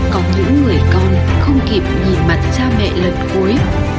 có những người con không kịp nhìn mặt cha mẹ lần cuối